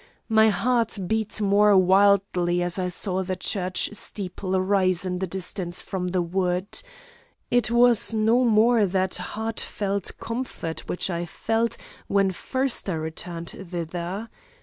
My heart beat more wildly as I saw the church steeple rise in the distance from the wood. It was no more that heartfelt comfort, which I felt, when first I returned thither.